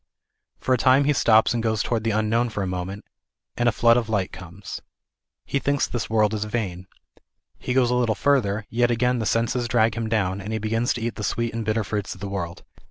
For a time he stops and goes toward the unknown for a moment, and a flood of light comes. He thinks this world is vain. He goes a little further, yet again the senses drag him down, and he begins to eat the sweet and bitter fruits of the world.